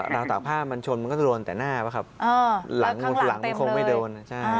ราวตากผ้ามันเผ็ดชนมันจะลงแต่หน้านะครับหลังมันคงไม่ได้เดิน